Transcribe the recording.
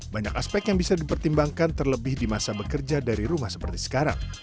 banyak aspek yang bisa dipertimbangkan terlebih di masa bekerja dari rumah seperti sekarang